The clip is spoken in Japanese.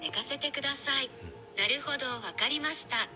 なるほど、分かりました。